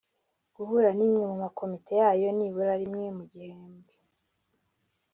Guhura n’imwe mu makomite yayo nibura rimwe mu gihembwe